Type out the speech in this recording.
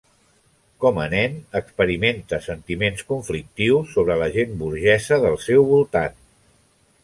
Com a nen, experimenta sentiments conflictius sobre la gent burgesa del seu voltant.